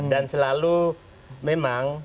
dan selalu memang